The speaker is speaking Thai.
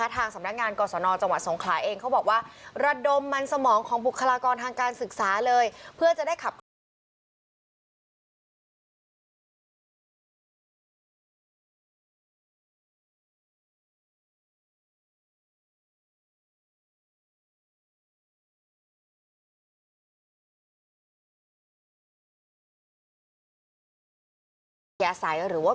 ทางสำนักงานก่อสนจังหวัดสงขลายเองเขาบอกว่าระดมมันสมองของบุคลากรทางการศึกษาเลย